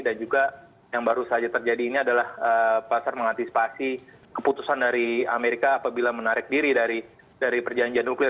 dan juga yang baru saja terjadi ini adalah pasar mengantisipasi keputusan dari amerika apabila menarik diri dari perjanjian nuklir